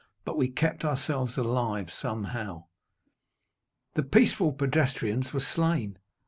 But we kept ourselves alive somehow. The peaceful pedestrians were slain.